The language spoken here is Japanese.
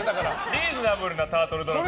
リーズナブルなタートルドラゴン。